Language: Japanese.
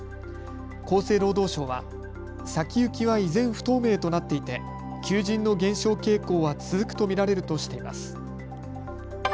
厚生労働省は先行きは依然、不透明となっていて求人の減少傾向は続くと見られるとしています。